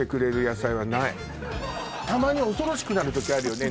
たまに恐ろしくなる時あるよね